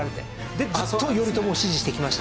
でもずっと頼朝を支持してきましたから。